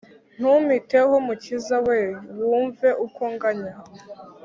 Ntumpiteho mukiza we wumve uko nganya